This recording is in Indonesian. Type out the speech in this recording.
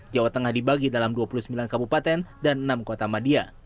jawa tengah dibagi dalam dua puluh sembilan kabupaten dan enam kota madia